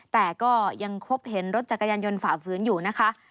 แต่ก็ยังพบเห็นรถจักรยานยนต์ฝ่าฝืนอยู่นะคะ